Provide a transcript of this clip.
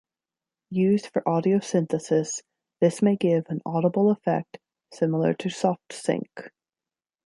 Used for audio synthesis, this may give an audible effect similar to Soft Sync.